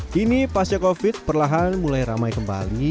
kini pasca covid perlahan mulai ramai kembali